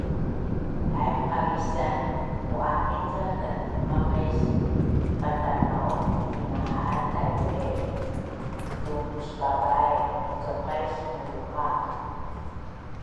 Haip qamisan muamin ca tatlumaq is pantamaun minahan Taipe tunkusbabai mucuqais mulumaq